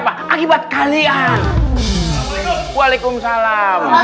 bangetan kalian ini